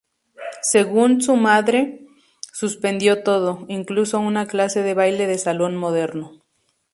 Según su madre "suspendió todo", incluso una clase de baile de salón moderno.